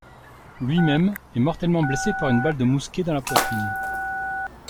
Lui-même est mortellement blessé par une balle de mousquet dans la poitrine.